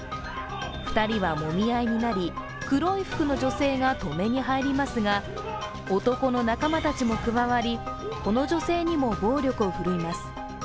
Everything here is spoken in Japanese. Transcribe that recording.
２人はもみ合いになり、黒い服の女性が止めに入りますが男の仲間たちも加わり、この女性にも暴力を振るいます。